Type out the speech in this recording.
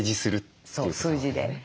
そう数字で。